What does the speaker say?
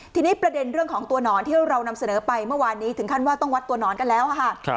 ทีนี้ประเด็นเรื่องของตัวหนอนที่เรานำเสนอไปเมื่อวานนี้ถึงขั้นว่าต้องวัดตัวหนอนกันแล้วค่ะ